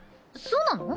そうなの？